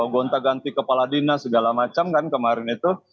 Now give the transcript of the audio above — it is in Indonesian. gonta ganti kepala dinas segala macam kan kemarin itu